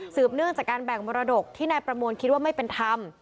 เนื่องจากการแบ่งมรดกที่นายประมวลคิดว่าไม่เป็นธรรม